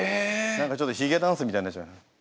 何かちょっとヒゲダンスみたいになっちゃいます。